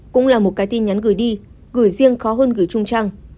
cũng là một cái tin nhắn gửi đi gửi riêng khó hơn gửi chung trang